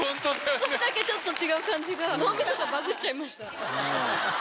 少しだけ違う感じが脳みそがバグっちゃいました。